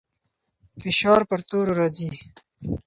فشار پر تورو راځي.